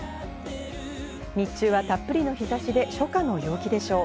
日中はたっぷりの日差しで初夏の陽気でしょう。